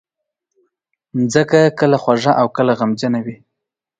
مځکه کله خوږه او کله غمجنه ده.